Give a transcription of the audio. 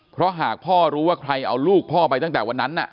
เพราะหากพ่อรู้ว่าใครเอาลูกพ่อไปตั้งแต่วันนั้น